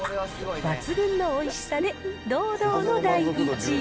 抜群のおいしさで堂々の第１位。